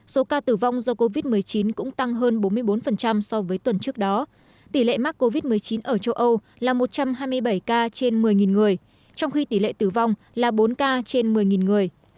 số ca tử vong do covid một mươi chín cũng tăng hơn bốn mươi bốn so với tuần trước đó tỷ lệ mắc covid một mươi chín ở châu âu là một trăm hai mươi bảy ca trên một mươi người trong khi tỷ lệ tử vong là bốn ca trên một mươi người